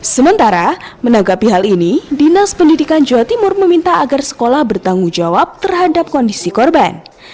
sementara menanggapi hal ini dinas pendidikan jawa timur meminta agar sekolah bertanggung jawab terhadap kondisi korban